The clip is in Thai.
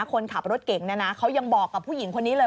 คนขับรถเก่งเนี่ยนะเขายังบอกกับผู้หญิงคนนี้เลย